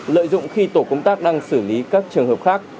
lợi dụng khi tổ công tác đang xử lý các trường hợp khác